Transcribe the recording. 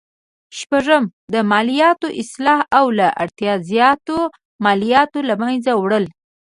شپږم: د مالیاتو اصلاح او له اړتیا زیاتو مالیاتو له مینځه وړل.